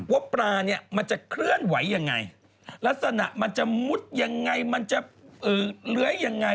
ว่าปลาเนี่ยมันจะเคลื่อนไหวยังไงลักษณะมันจะมุดยังไงมันจะเลื้อยยังไง